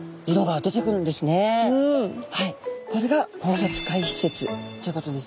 これが交雑回避説ということですね。